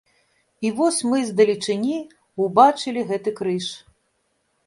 І вось мы з далечыні ўбачылі гэты крыж.